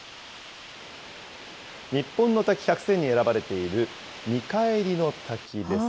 日本の滝百選に選ばれている見帰りの滝です。